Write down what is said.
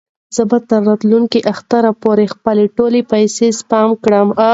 زه به تر راتلونکي اختر پورې خپلې ټولې پېسې سپما کړم.